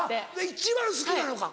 一番好きなのか？